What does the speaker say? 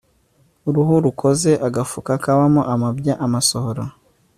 uruhu rukoze agafuka kabamo amabya amasohoro